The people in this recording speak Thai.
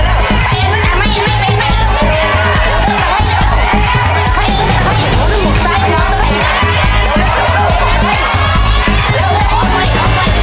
ออกไหมออกไหม